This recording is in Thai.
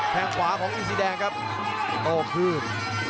แข่งขวาของอิซิแดงครับโอ้คืม